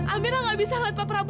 amirah gak bisa ngeliat pak prabu